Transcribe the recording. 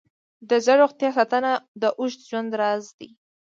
د زړه روغتیا ساتنه د اوږد ژوند راز دی.